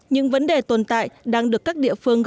những vấn đề tồn tại đang được các địa phương